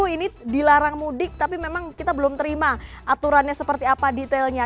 ini dilarang mudik tapi memang kita belum terima aturannya seperti apa detailnya